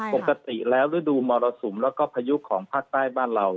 ปกติแล้วฤดูมรสุมแล้วก็พายุของภาคใต้บ้านเรา